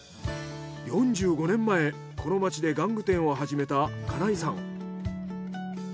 ４５年前この町で玩具店を始めた金井さん。